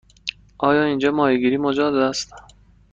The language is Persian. آیا اینجا ماهیگیری مجاز است؟